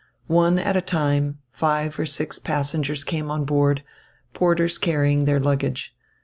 One at a time five or six passengers came on board, porters carrying their luggage.